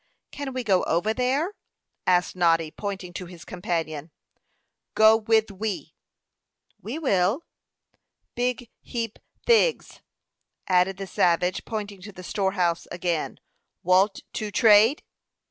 "Can we go over there?" asked Noddy, pointing to his companion. "Go with we." "We will." "Big heap thigs," added the savage, pointing to the storehouse again. "Walt to trade?"